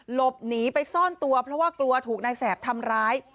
หลบหนีไปซ่อนตัวเพราะว่ากลัวถูกนายแสบทำร้าย